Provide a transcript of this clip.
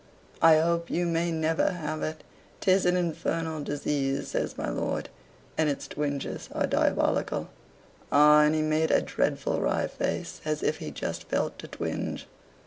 "I hope you may never have it. 'Tis an infernal disease," says my lord, "and its twinges are diabolical. Ah!" and he made a dreadful wry face, as if he just felt a twinge.